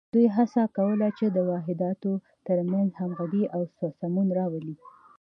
دوی هڅه کوله چې د واحداتو تر منځ همغږي او سمون راولي.